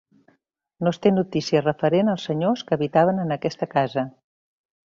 No es té notícia referent als senyors que habitaven en aquesta casa.